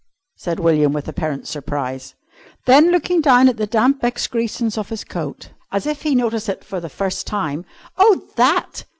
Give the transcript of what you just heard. said William with apparent surprise. Then, looking down at the damp excrescence of his coat, as if he noticed it for the first time, "Oh, that!"